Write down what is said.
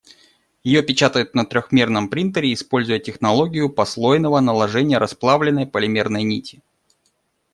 Её печатают на трёхмерном принтере, используя технологию послойного наложения расплавленной полимерной нити.